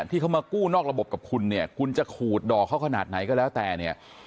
ที่เขามากู้นอกระบบกับคุณเนี่ยคุณจะขูดดอกเขาขนาดไหนก็แล้วแต่เนี่ย